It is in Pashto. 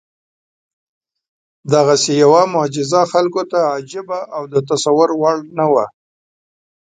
دغسې یوه معجزه خلکو ته عجیبه او د تصور وړ نه وه.